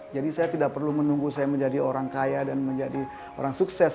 jadi saya tidak perlu menunggu saya menjadi orang kaya dan menjadi orang sukses